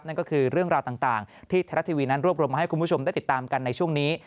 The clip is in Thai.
นั่นก็คือเรื่องราวต่างที่ไทยรัฐทีวีนั้นรวบรวมมาให้คุณผู้ชมได้ติดตามกันในช่วงนี้